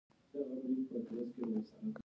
لایکي د ویډیوګانو لپاره ځانګړي فېلټرونه لري.